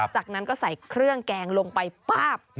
จากนั้นก็ใส่เครื่องแกงลงไปป๊าบ